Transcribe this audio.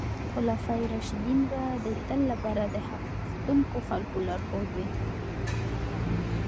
خلفای راشدین به د تل لپاره د حق غوښتونکو خلکو لارښود وي.